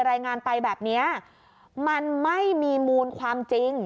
รายงานไปแบบนี้มันไม่มีมูลความจริง